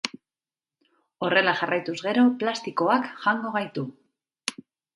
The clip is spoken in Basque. Horrela jarraituz gero plastikoak jango gaitu.